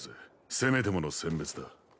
せめてものせん別だ。